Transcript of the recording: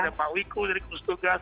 ada pak wiku dari gugus tugas